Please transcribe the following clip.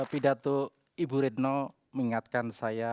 bidato ibu ridno mengingatkan saya